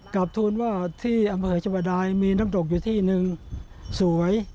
ขอบคุณว่าที่อำเภอชะบาดายมีน้ำตกอยู่ที่หนึ่งสวย